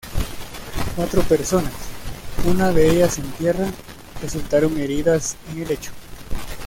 Cuatro personas, una de ellas en tierra, resultaron heridas en el hecho.